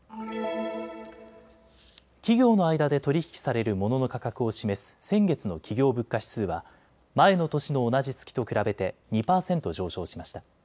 企業の間で取り引きされるモノの価格を示す先月の企業物価指数は前の年の同じ月と比べて２％上昇しました。